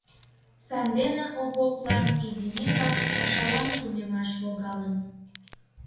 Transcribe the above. Сандене Овоплан изинекак пашалан тунемаш логалын.